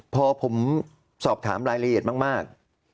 พอผมสอบถามรายละเอียดมาก